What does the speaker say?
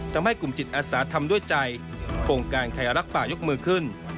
ทำให้กลุ่มจิตอาสาทำด้วยใจโครงการไทยรักป่ายกมือขึ้น